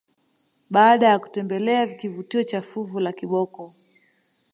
Baada ya kutembelea kivutio cha fuvu la kiboko